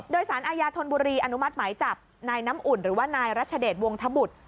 โดยสารอาญาธนบุรีอนุมัติหมายจับนายน้ำอุ่นหรือว่านายรัชเดชวงธบุตร